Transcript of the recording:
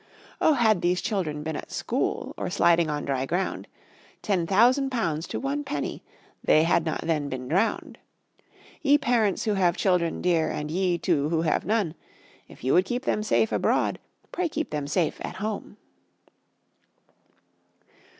Oh, had these children been at school, Or sliding on dry ground, Ten thousand pounds to one penny They had not then been drowned. Ye parents who have children dear, And ye, too, who have none, If you would keep them safe abroad, Pray keep them safe at home.